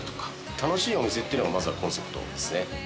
楽しいお店っていうのがまずはコンセプトですね。